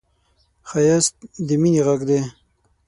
ښایست د مینې غږ دی